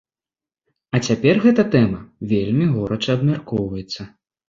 А цяпер гэта тэма вельмі горача абмяркоўваецца.